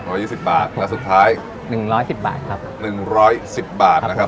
ยี่สิบบาทและสุดท้ายหนึ่งร้อยสิบบาทครับหนึ่งร้อยสิบบาทนะครับ